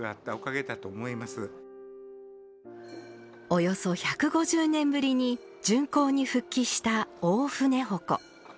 およそ１５０年ぶりに巡行に復帰した大船鉾。